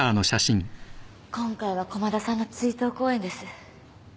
今回は駒田さんの追悼公演です。